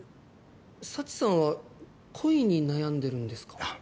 佐知さんは恋に悩んでるんですか？